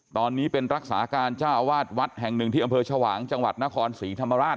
ตอนนี้เป็นรักษาการเจ้าอาวาสวัดแห่งหนึ่งที่อำเภอชวางจังหวัดนครศรีธรรมราช